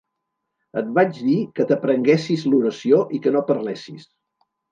Et vaig dir que t'aprenguessis l'oració i que no parlessis.